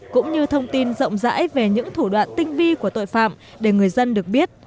cũng như thông tin rộng rãi về những thủ đoạn tinh vi của tội phạm để người dân được biết